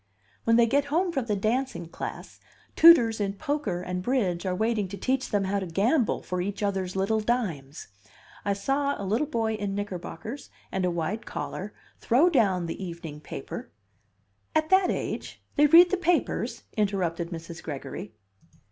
When they get home from the dancing class, tutors in poker and bridge are waiting to teach them how to gamble for each other's little dimes. I saw a little boy in knickerbockers and a wide collar throw down the evening paper " "At that age? They read the papers?" interrupted Mrs. Gregory.